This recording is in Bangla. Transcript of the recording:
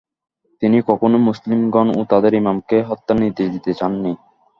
তিনি কখনোই মুসলিমগণ ও তাদের "ইমাম"কে হত্যার নির্দেশ দিতে চান নি।